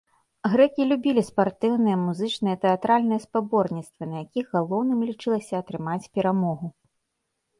Грэкі любілі спартыўныя, музычныя, тэатральныя спаборніцтвы, на якіх галоўным лічылася атрымаць перамогу.